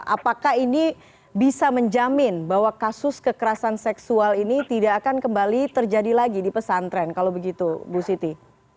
apakah ini bisa menjamin bahwa kasus kekerasan seksual ini tidak akan kembali terjadi lagi di pesantren kalau begitu bu siti